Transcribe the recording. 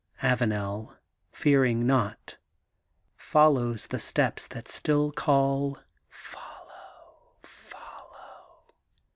Avanel, fearing not follows the steps that still call: '^Follow, follow.'